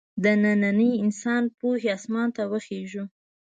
د ننني انسان پوهې اسمان ته وخېژو.